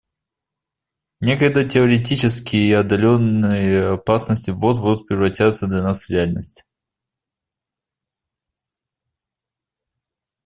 Некогда теоретические и отдаленные опасности вот-вот превратятся для нас в реальность.